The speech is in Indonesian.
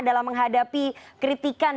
dalam menghadapi kritikan